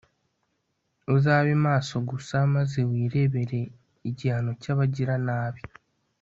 uzabe maso gusa, maze wirebere igihano cy'abagiranabi